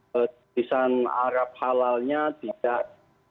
petisan arab halalnya tidak